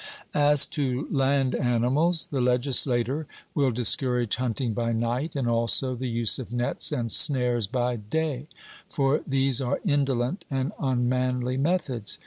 As to land animals, the legislator will discourage hunting by night, and also the use of nets and snares by day; for these are indolent and unmanly methods.